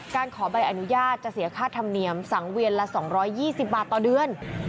ขอใบอนุญาตจะเสียค่าธรรมเนียมสังเวียนละ๒๒๐บาทต่อเดือน